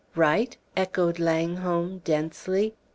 ] "Right?" echoed Langholm, densely.